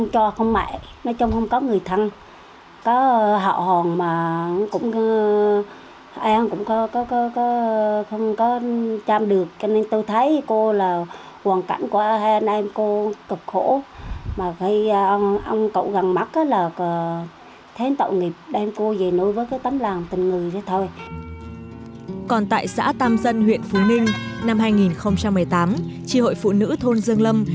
chị nguyễn thị thu ở thôn vĩnh quý xã tam vinh huyện phú ninh tỉnh quảng nam